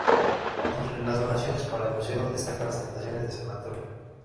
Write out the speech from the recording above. Entre las donaciones para el Museo destaca "Las tentaciones de san Antonio".